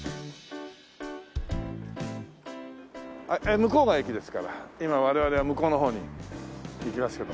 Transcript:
向こうが駅ですから今我々は向こうのほうに行きますけど。